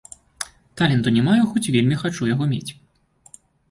Таленту не маю, хоць вельмі хачу яго мець.